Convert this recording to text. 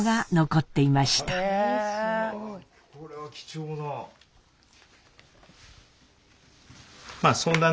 これは貴重な。